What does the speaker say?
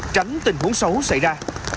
tránh tình huống xấu xảy ra